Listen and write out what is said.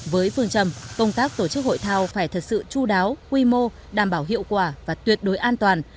với phương trầm công tác tổ chức hội thao phải thật sự chú đáo quy mô đảm bảo hiệu quả và tuyệt đối an toàn